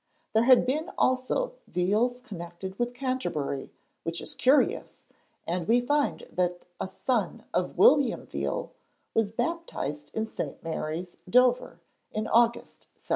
There had been also Veals connected with Canterbury, which is curious, and we find that a son of William Veal was baptised in St. Mary's, Dover, in August 1707.